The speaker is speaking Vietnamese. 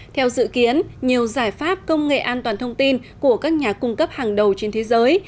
theo dự kiến nhiều giải pháp công nghệ an toàn thông tin của các nhà cung cấp hàng đầu trên thế giới